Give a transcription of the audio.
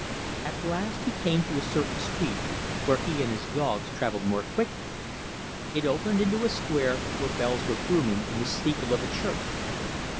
At last he came to a certain street, where he and his dogs travelled more quickly. It opened into a square, where bells were booming in the steeple of a church.